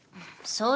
そう。